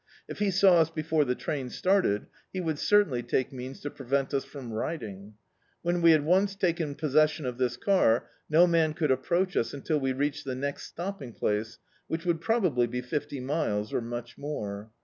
If he saw us before the train started, he would certainly take means to prevent ua from riding. When we had Mice taken possession of this car, no man could approach us until we reached the next stopping place, which would probably be fifty miles, or much more.